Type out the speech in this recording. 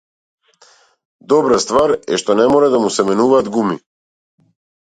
Добра ствар е што не мора да му се менуваат гуми.